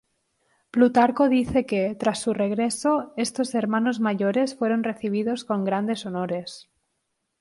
Plutarco dice que, tras su regreso, estos "hermanos mayores" fueron recibidos con grandes honores.